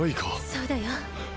そうだよ。